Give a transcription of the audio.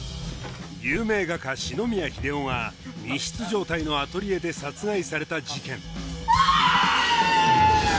有名画家四ノ宮英夫が密室状態のアトリエで殺害された事件